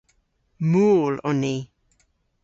Mool on ni.